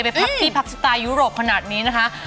พักที่พักสไตล์ยุโรปขนาดนี้นะคะ